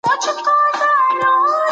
نفسي غوښتني نه تعقیبېږي.